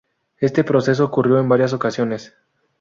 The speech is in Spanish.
Este proceso ocurrió en varias ocasiones.